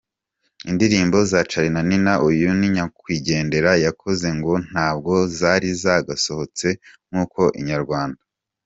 Indirimbo za Charly & Nina uyu nyakwigendera yakoze, ngo ntabwo zari zagasohotse nkuko Inyarwanda.